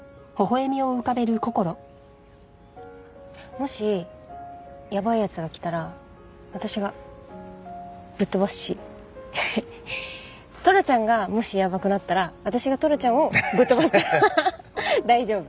もしやばい奴が来たら私がぶっ飛ばすしトラちゃんがもしやばくなったら私がトラちゃんをぶっ飛ばすから大丈夫。